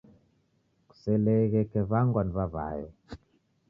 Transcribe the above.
Kuseleghe kew'angwa ni w'aw'ayo